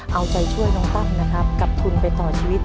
เอาใจช่วยน้องตั้มนะครับกับทุนไปต่อชีวิต